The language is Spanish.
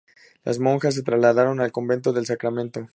Las monjas se trasladaron al convento del Sacramento.